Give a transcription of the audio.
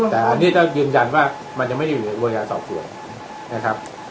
แต่ครั้งนี้เจ้ายืนยันว่ามันจะไม่ได้อยู่ในวงการสอบส่วนนะครับ